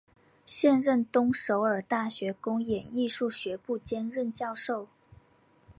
现任东首尔大学公演艺术学部兼任教授。